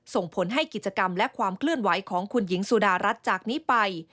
ส่งผลให้กิจกรรมและความเคลื่อนไหวของคุณหญิงสุดารัฐจากนี้ไป